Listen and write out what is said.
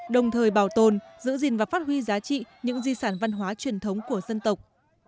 đồng thời bảo tồn giữ gìn và phát huy giá trị những di sản văn hóa truyền thống của dân tộc